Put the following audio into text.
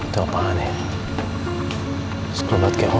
memang ada kasur